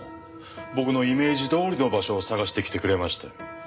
僕のイメージどおりの場所を探してきてくれましたよ。